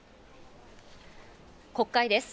国会です。